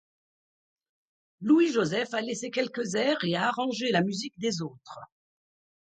Louis-Joseph a laissé quelques airs et a arrangé la musique des autres.